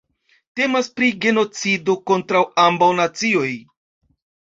Temas pri genocido kontraŭ ambaŭ nacioj.